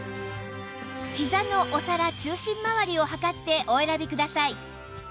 ひざのお皿中心周りを測ってお選びください